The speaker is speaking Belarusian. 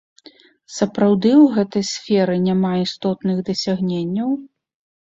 Сапраўды ў гэтай сферы няма істотных дасягненняў?